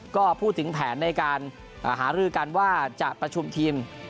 ก็พูดถึงแผนในการหารือกันว่าจะประชุมทีม